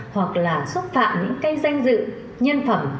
hoặc là xúc phạm những cây danh dự nhân phẩm